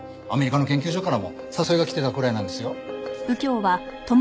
アメリカの研究所からも誘いが来てたくらいなんですよ。